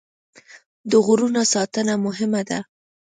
د غرونو ساتنه مهمه ده.